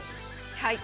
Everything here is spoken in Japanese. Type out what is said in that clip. はい。